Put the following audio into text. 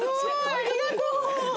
ありがとう。